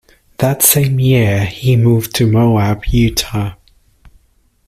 That same year he moved to Moab, Utah.